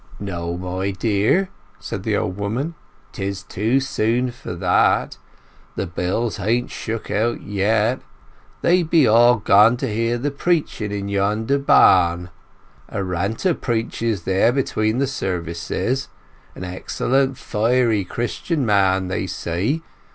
"No, my dear," said the old woman. "'Tis too soon for that; the bells hain't strook out yet. They be all gone to hear the preaching in yonder barn. A ranter preaches there between the services—an excellent, fiery, Christian man, they say.